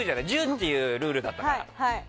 １０っていうルールだったから。